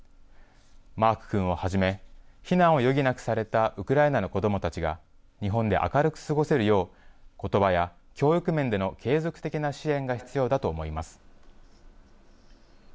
マーク君をはじめ、避難を余儀なくされたウクライナの子どもたちが、日本で明るく過ごせるよう、ことばや教育面での継続的な支援が必要だと思います。